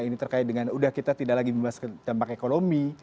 ini terkait dengan udah kita tidak lagi membahas dampak ekonomi